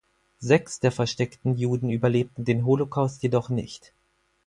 Sechs der versteckten Juden überlebten den Holocaust jedoch nicht.